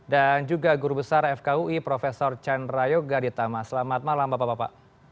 dan juga guru besar fkui prof chan rayo gaditama selamat malam bapak bapak